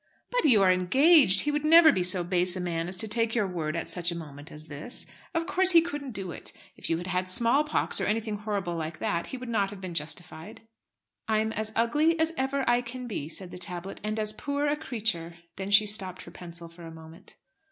"But you are engaged. He would never be so base a man as to take your word at such a moment as this. Of course he couldn't do it. If you had had small pox, or anything horrible like that, he would not have been justified." "I'm as ugly as ever I can be," said the tablet, "and as poor a creature." Then she stopped her pencil for a moment.